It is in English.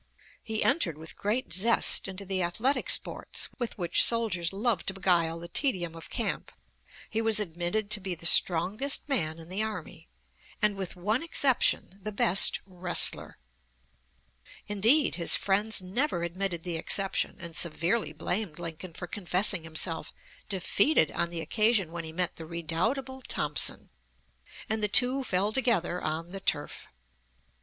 He entered with great zest into the athletic sports with which soldiers love to beguile the tedium of camp. He was admitted to be the strongest man in the army, and, with one exception, the best wrestler. Indeed, his friends never admitted the exception, and severely blamed Lincoln for confessing himself defeated on the occasion when he met the redoubtable Thompson, and the two fell together on the turf.